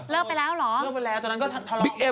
เลิกไปแล้วเหรอเลิกไปแล้วตอนนั้นก็ทะเลาะอีกแล้ว